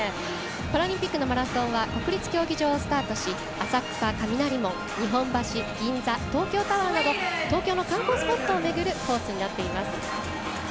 パラリンピックのマラソンは国立競技場をスタートし浅草・雷門、日本橋、銀座東京タワーなど東京の観光スポットを巡るコースになっています。